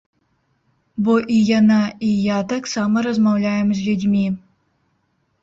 Бо і яна, і я таксама размаўляем з людзьмі.